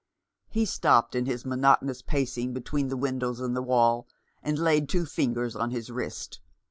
He stopped in his monotonous pacing between the windows and the wall, and laid two fingers on his wrist.